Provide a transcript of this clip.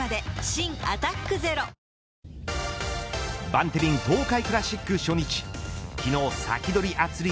バンテリン東海クラシック初日昨日、サキドリ！